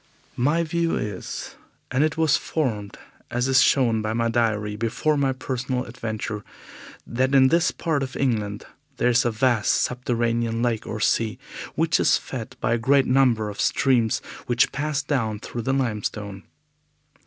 My view is and it was formed, as is shown by my diary, before my personal adventure that in this part of England there is a vast subterranean lake or sea, which is fed by the great number of streams which pass down through the limestone.